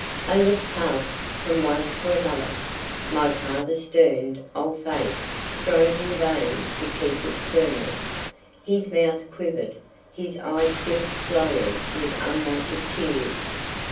A look passed from one to another—my father's stern old face strove in vain to keep its sternness; his mouth quivered, his eyes filled slowly with unwonted tears.